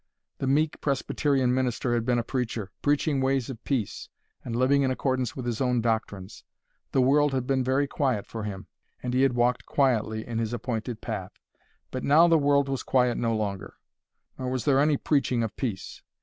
The meek Presbyterian minister had been a preacher, preaching ways of peace, and living in accordance with his own doctrines. The world had been very quiet for him, and he had walked quietly in his appointed path. But now the world was quiet no longer, nor was there any preaching of peace.